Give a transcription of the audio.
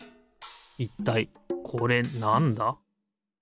いったいこれなんだ？